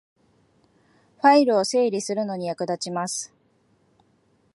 ファイルを整理するのに役立ちます